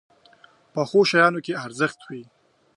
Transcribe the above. پخو شیانو کې ارزښت وي